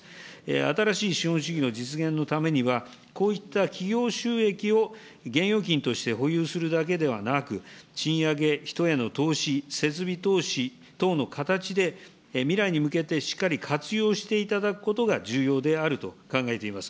新しい資本主義の実現のためには、こういった企業収益を現預金として保有するだけではなく、賃上げ、人への投資、設備投資等の形で、未来に向けてしっかり活用していただくことが重要であると考えています。